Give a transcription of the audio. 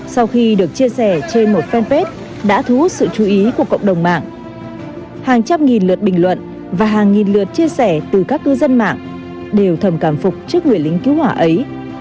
sau khi được chia sẻ trên một fanpage đã thu hút sự chú ý của cộng đồng mạng hàng trăm nghìn lượt bình luận và hàng nghìn lượt chia sẻ từ các cư dân mạng đều thầm cảm phục trước người lính cứu hỏa ấy